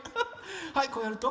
はいこうやると。